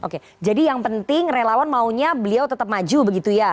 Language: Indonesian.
oke jadi yang penting relawan maunya beliau tetap maju begitu ya